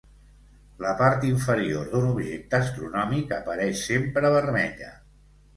La part inferior d'un objecte astronòmic apareix sempre vermella.